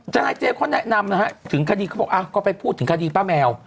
เจ๊เขาแนะนำนะฮะถึงคดีเขาบอกก็ไปพูดถึงคดีป้าแมว